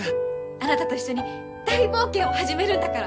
あなたと一緒に大冒険を始めるんだから！